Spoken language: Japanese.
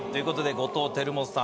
後藤輝基さん